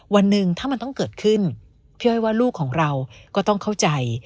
วันหนึ่งถ้ามันต้องเกิดขึ้นพี่อ้อยว่าลูกของเราก็ต้องเข้าใจ